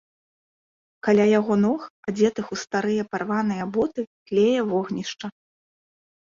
Каля яго ног, адзетых у старыя парваныя боты, тлее вогнішча.